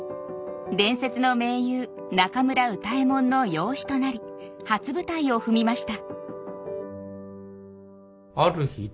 伝説の名優中村歌右衛門の養子となり初舞台を踏みました。